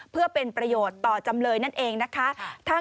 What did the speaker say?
เพื่อเป็นประโยชน์ต่อจำเลยนั่นเองนะคะ